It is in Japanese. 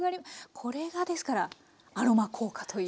これがですからアロマ効果という。